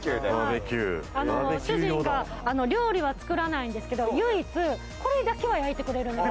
主人は料理は作らないんですけど唯一これだけは焼いてくれるんです。